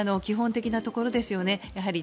基本的なところですよね